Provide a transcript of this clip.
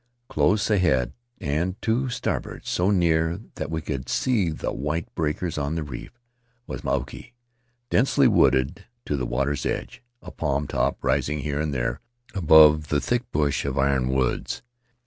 Close ahead and to starboard, so near that we could see the white of breakers on the reef, was Mauke — densely wooded to the water's edge, a palm top rising here and there above the thick bush of iron woods.